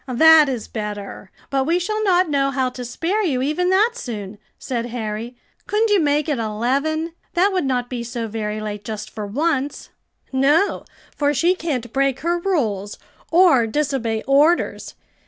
"That is better, but we shall not know how to spare you even that soon," said Harry. "Couldn't you make it eleven? that would not be so very late just for once." "No, for she can't break her rules, or disobey orders.